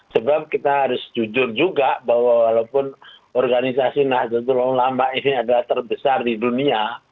sebab kita harus jujur juga bahwa walaupun organisasi nahdlatul ulama ini adalah terbesar di dunia